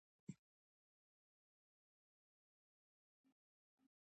تل ډېري اوبه وڅېښئ، که څه هم تنده نه محسوسوئ